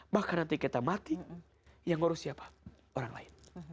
maka nanti kita mati yang ngurus siapa orang lain